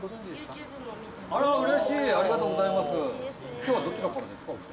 今日はどちらからですか？